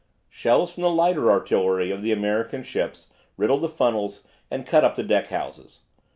Shells from the lighter artillery of the American ships riddled the funnels, and cut up the deck houses.